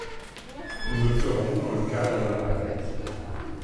Nous le ferons dans le cadre de la navette.